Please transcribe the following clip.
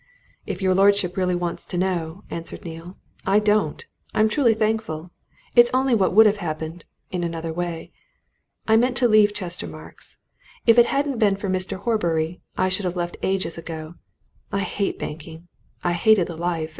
"If your lordship really wants to know," answered Neale, "I don't! I'm truly thankful. It's only what would have happened in another way. I meant to leave Chestermarke's. If it hadn't been for Mr. Horbury, I should have left ages ago. I hate banking! I hated the life.